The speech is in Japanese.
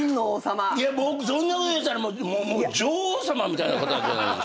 そんなこといったらもう女王様みたいな方じゃないですか。